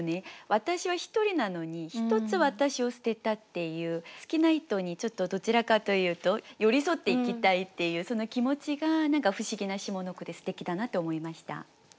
私は１人なのに「一つ私を捨てた」っていう好きな人にちょっとどちらかというと寄り添っていきたいっていうその気持ちが何か不思議な下の句ですてきだなと思いました。